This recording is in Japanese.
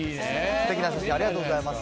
すてきな写真ありがとうございます。